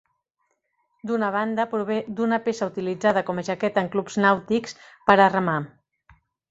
D'una banda prové d'una peça utilitzada com a jaqueta en clubs nàutics, per a remar.